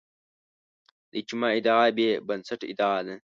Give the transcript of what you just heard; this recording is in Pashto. د اجماع ادعا بې بنسټه ادعا ده